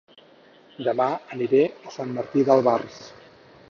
Dema aniré a Sant Martí d'Albars